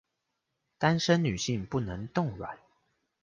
單身女性不能凍卵